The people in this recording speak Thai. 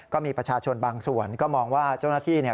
ก็มีประชาชนบางส่วนก็มองว่าเจ้าหน้าที่เนี่ย